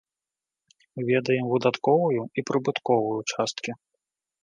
Ведаем выдатковую і прыбытковую часткі.